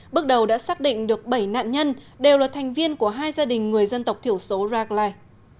bước đầu đã xác định được bảy nạn nhân đều là thành viên của hai gia đình người dân tộc thiểu số raklah